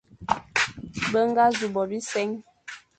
Be ñga nẑu bo bise,